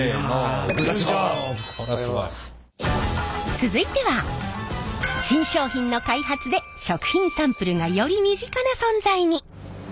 続いては新商品の開発で食品サンプルがより身近な存在に！